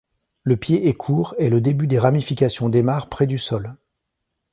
Le pied est court et le début des ramifications démarre près du sol.